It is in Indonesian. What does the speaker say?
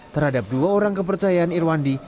terhadap dua orang kepercayaan irwandi